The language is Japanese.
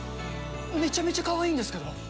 めちゃめちゃかわいいんですけど。